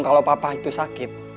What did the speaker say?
kalau papa itu sakit